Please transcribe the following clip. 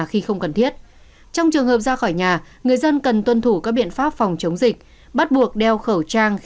khi khuyến cáo hạn chế tiếp khách làm việc trực tuyến